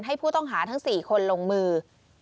ให้ผู้ต้องหาทั้ง๔คนลงมือ